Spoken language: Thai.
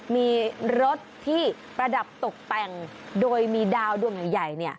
มีรถที่ประดับตกแต่งโดยมีดาวดวงใหญ่